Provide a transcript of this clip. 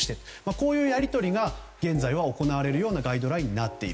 こういうやり取りが現在は行われるようなガイドラインになった。